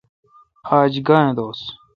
آج گاں اے° دوس؟